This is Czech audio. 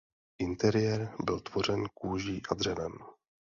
Interiér byl tvořen kůží a dřevem.